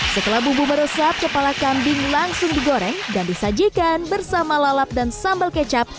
setelah bumbu meresap kepala kambing langsung digoreng dan disajikan bersama lalap dan sambal kecap